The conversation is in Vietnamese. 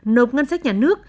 nộp ngân sách nhà nước